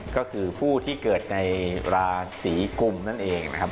ก็คือผู้ที่เกิดในราศีกุมนั่นเองนะครับ